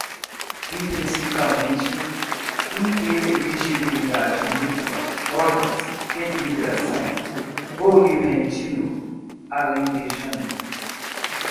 intrinsecamente, inteligibilidade mútua, hordas de migração, oliventino, alentejano